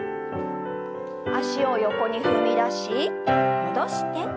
脚を横に踏み出し戻して。